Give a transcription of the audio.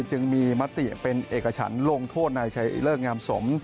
จึงมีมติเป็นเอกฉันลงโทษนายชัยเลิกงามสม